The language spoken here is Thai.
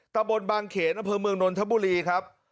ตระบลบางเขนพมจนทบุรีครับ